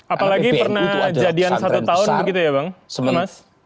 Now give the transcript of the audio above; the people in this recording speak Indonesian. apalagi pernah jadian satu tahun begitu ya bang